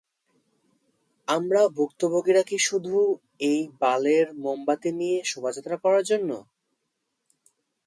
আমরা ভুক্তভোগীরা কী শুধু এই বালের মোমবাতি নিয়ে শোভাযাত্রা করার জন্য?